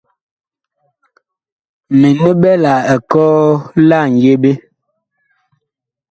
Mini ɓɛ la ekɔɔ la ŋyeɓe.